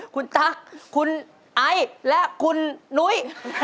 คุณตั๊กคุณไอและคุณนุ้ย